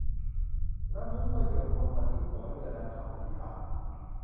น้ำผึ้งก็หยดลงมาที่หัวเรือดังคำอธิษฐาน